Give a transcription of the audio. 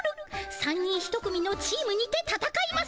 ３人１組のチームにてたたかいます。